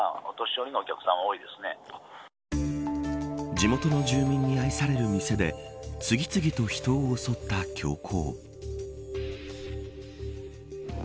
地元の住民に愛される店で次々と人を襲った凶行。